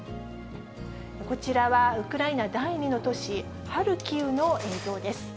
こちらは、ウクライナ第２の都市ハルキウの映像です。